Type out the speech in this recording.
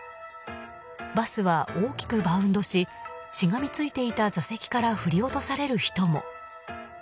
バスは大きくバウンドししがみついていた座席から振り落とされる人も。